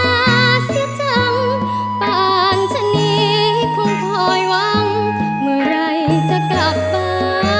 เมื่อไหร่จะกลับบ้านน้ำไม่อยู่เมืองกรุงใจก็มุ่งแต่อยากจะดึง